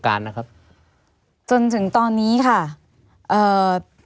ไม่มีครับไม่มีครับ